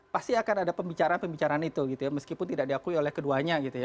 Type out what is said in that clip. pasti akan ada pembicaraan pembicaraan itu gitu ya meskipun tidak diakui oleh keduanya gitu ya